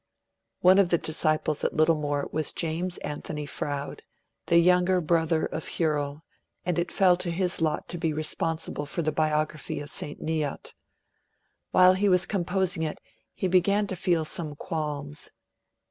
One of the disciples at Littlemore was James Anthony Froude, the younger brother of Hurrell, and it fell to his lot to be responsible for the biography of St. Neot. While he was composing it, he began to feel some qualms.